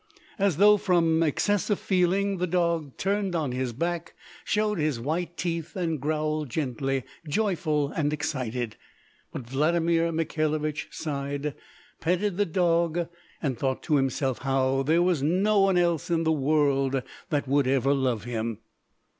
As though from excess of feeling the dog turned on his back, showed his white teeth, and growled gently, joyful and excited. But Vladimir Mikhailovich sighed, petted the dog, and thought to himself, how that there was no one else in the world that would ever love him.